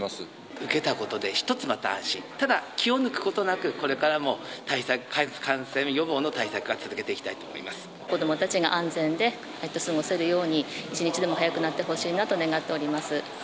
受けたことで一つまた安心、ただ気を抜くことなく、これからも対策、感染予防の対策は続けて子どもたちが安全で過ごせるように、一日でも早くなってほしいなと願っております。